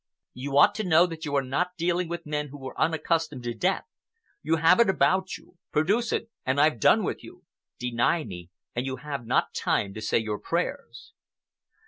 "You ought to know that you are not dealing with men who are unaccustomed to death. You have it about you. Produce it, and I've done with you. Deny me, and you have not time to say your prayers!"